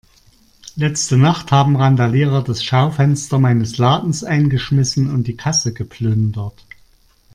Letzte Nacht haben Randalierer das Schaufenster meines Ladens eingeschmissen und die Kasse geplündert.